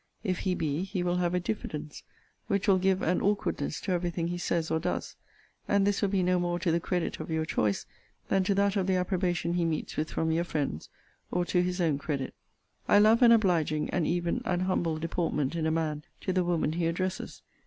If he be, he will have a diffidence, which will give an awkwardness to every thing he says or does; and this will be no more to the credit of your choice than to that of the approbation he meets with from your friends, or to his own credit. I love an obliging, and even an humble, deportment in a man to the woman he addresses.